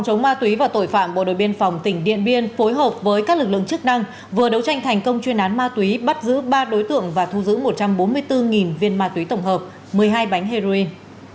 phòng chống ma túy và tội phạm bộ đội biên phòng tỉnh điện biên phối hợp với các lực lượng chức năng vừa đấu tranh thành công chuyên án ma túy bắt giữ ba đối tượng và thu giữ một trăm bốn mươi bốn viên ma túy tổng hợp một mươi hai bánh heroin